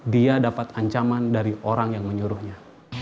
dia dapat ancaman dari orang yang menyuruhnya